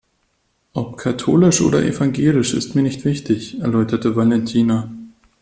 Ob katholisch oder evangelisch ist mir nicht wichtig, erläuterte Valentina.